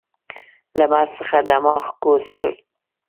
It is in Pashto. لمر څخه دماغ کوز کړ.